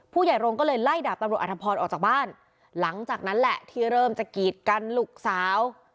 ผู้ใหญ่โรงก็เลยไล่ดาบตำรวจอธพรออกจากบ้านหลังจากนั้นแหละที่เริ่มจะกีดกันลูกสาว